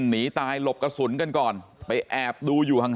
หนีตายหลบกระสุนกันก่อนไปแอบดูอยู่ห่าง